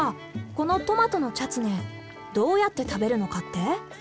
このトマトのチャツネどうやって食べるのかって？